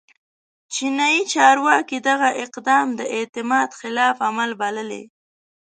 چیني چارواکي دغه اقدام د اعتماد خلاف عمل بللی